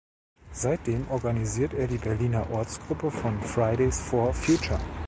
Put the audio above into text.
Seitdem organisiert er die Berliner Ortsgruppe von Fridays for Future.